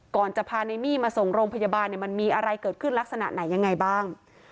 ก่อนจะพาในมี่มาส่งโรงพยาบาลมันมีอะไรเกิดขึ้นลักษณะไหนยังไงบ้าง